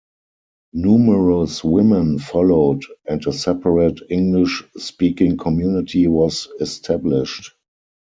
Numerous women followed and a separate English-speaking community was established.